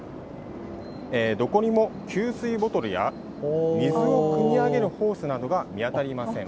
どこにも給水ボトルや水をくみ上げるホースなどが見当たりません。